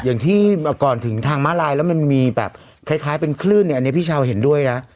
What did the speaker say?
อย่างที่ก่อนถึงทางม้าลายแล้วมันมีแบบคล้ายเป็นคลื่นเนี่ยอันนี้พี่ชาวเห็นด้วยนะ